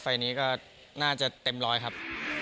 ไฟล์นี้ก็น่าจะเต็มร้อยครับ